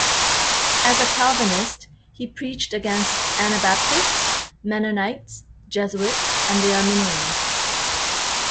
As a Calvinist, he preached against Anabaptists, Mennonites, Jesuits and the Arminians.